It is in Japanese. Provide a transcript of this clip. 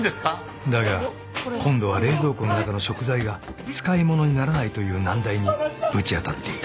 ［だが今度は冷蔵庫の中の食材が使い物にならないという難題にぶち当たっていた］